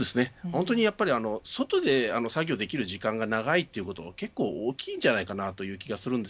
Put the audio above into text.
本当に外で作業できる時間が長いということも結構大きいんじゃないかなという気もします。